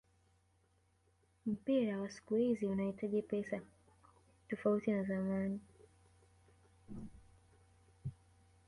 Mpira wa siku hizi unahitaji pesa tofauti na zamani